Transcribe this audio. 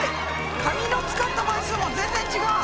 紙の使った枚数も全然違う。